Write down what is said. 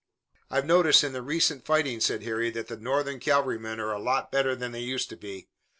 "I've noticed in the recent fighting," said Harry, "that the Northern cavalrymen are a lot better than they used to be.